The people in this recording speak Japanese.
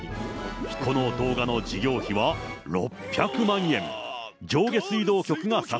この動画の事業費は６００万円。